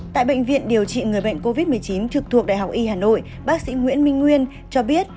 tại bệnh viện điều trị người bệnh covid một mươi chín trực thuộc đại học y hà nội bác sĩ nguyễn minh nguyên cho biết